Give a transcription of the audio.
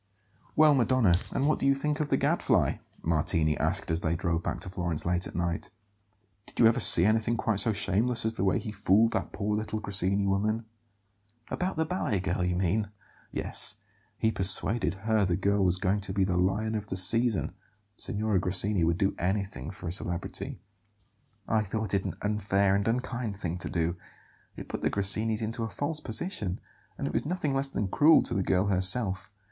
"Well, Madonna, and what do you think of the Gadfly?" Martini asked as they drove back to Florence late at night. "Did you ever see anything quite so shameless as the way he fooled that poor little Grassini woman?" "About the ballet girl, you mean?" "Yes, he persuaded her the girl was going to be the lion of the season. Signora Grassini would do anything for a celebrity." "I thought it an unfair and unkind thing to do; it put the Grassinis into a false position; and it was nothing less than cruel to the girl herself.